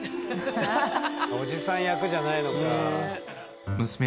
おじさん役じゃないのか。